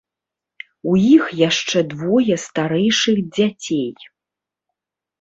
У іх яшчэ двое старэйшых дзяцей.